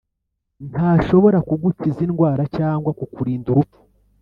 ntashobora kugukiza indwara cyangwa kukurinda urupfu